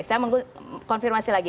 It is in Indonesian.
saya mengun konfirmasi lagi